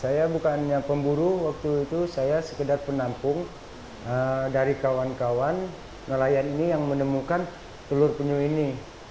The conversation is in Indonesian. saya bukan pemburu saya sekedar penampung dari kawan kawan yang menemukan telur penyu ini